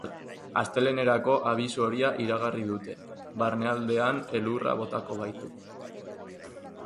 Astelehenerako abisu horia iragarri dute, barnealdean elurra botako baitu.